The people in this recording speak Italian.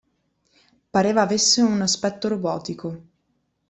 Pareva avesse un aspetto robotico.